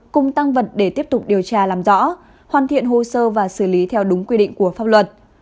cùng tăng vật để tiếp tục điều tra làm rõ hoàn thiện hồ sơ và xử lý theo đúng quy định của pháp luật